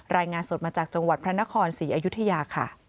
รายงานสดมาจากจังหวัดพระนครศรีอยุธยาค่ะ